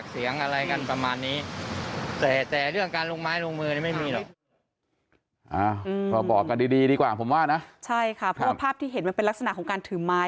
ใช่ค่ะเพราะว่าภาพที่เห็นมันเป็นลักษณะของการถือไม้